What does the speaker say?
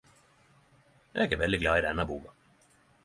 Eg er veldig glad i denne boka.